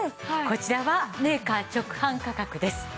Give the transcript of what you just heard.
こちらはメーカー直販価格です。